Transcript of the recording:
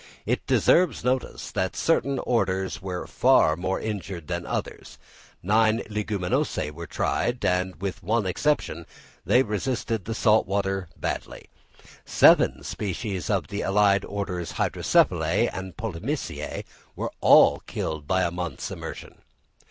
It deserves notice that certain orders were far more injured than others: nine Leguminosæ were tried, and, with one exception, they resisted the salt water badly; seven species of the allied orders, Hydrophyllaceæ and Polemoniaceæ, were all killed by a month's immersion.